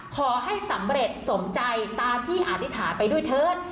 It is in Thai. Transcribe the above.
ขอให้สำเร็จสมใจตามที่อธิษฐานไปด้วยเถิด